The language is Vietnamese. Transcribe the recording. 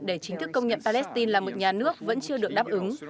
để chính thức công nhận palestine là một nhà nước vẫn chưa được đáp ứng